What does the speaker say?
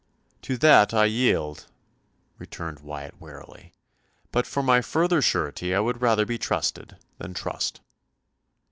"To that I yield," returned Wyatt warily, "but for my further surety I would rather be trusted than trust."